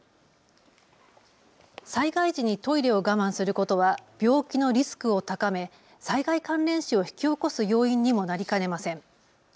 災害時にトイレを我慢することは病気のリスクを高め災害関連死を引き起こす要因にもなりかねません。